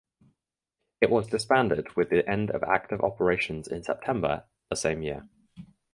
It was disbanded with the end of active operations in September the same year.